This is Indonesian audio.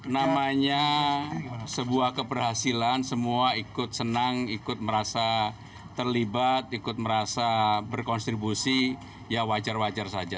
namanya sebuah keberhasilan semua ikut senang ikut merasa terlibat ikut merasa berkontribusi ya wajar wajar saja